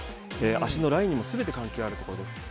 足のラインにも全て関係あることです。